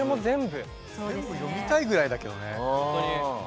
全部読みたいぐらいだけどね。